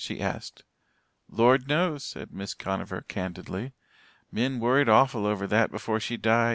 she asked. "Lord knows," said Mrs. Conover candidly. "Min worried awful over that before she died.